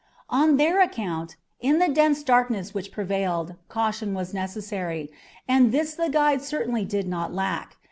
On their account, in the dense darkness which prevailed, caution was necessary, and this the guide certainly did not lack.